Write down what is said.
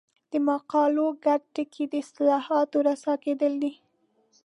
د مقالو ګډ ټکی د اصطلاحاتو رسا کېدل دي.